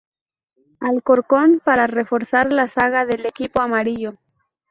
Alcorcón para reforzar la zaga del equipo amarillo.